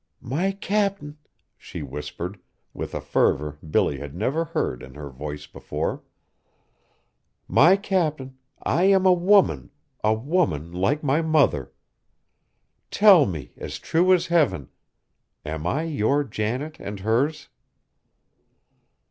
"My Cap'n," she whispered, with a fervor Billy had never heard in her voice before; "my Cap'n, I am a woman, a woman like my mother. Tell me, as true as heaven, am I your Janet and hers?"